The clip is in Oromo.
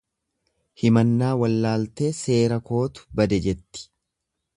Himannaa wallaaltee seera kootu bade jetti.